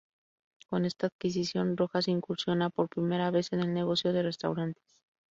Con esta adquisición, Rojas incursiona por primera vez en el negocio de restaurantes.